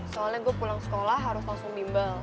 soalnya gue pulang sekolah harus langsung bimbel